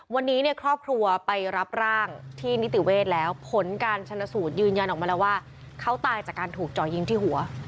วันนี้เนี่ยครอบครัวไปรับร่างที่นิติเวศแล้วผลการชนสูตรยืนยันออกมาแล้วว่าเขาตายจากการถูกจ่อยิงที่หัว